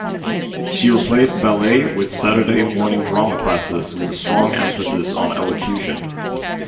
She replaced ballet with Saturday morning drama classes with a strong emphasis on elocution.